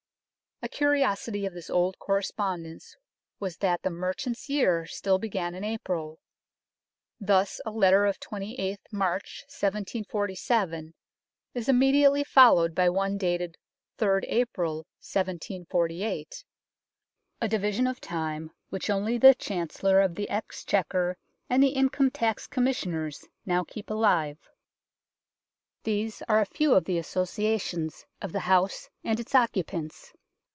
A curiosity of this old correspondence was that the merchant's year still began in April. Thus a letter of 28th March 1747 is immediately followed by one dated 3rd April 1748 a division of time which only the Chancellor of the Exchequer and the Income Tax Commissioners now keep alive. These are a few of the associations of the house and its occupants.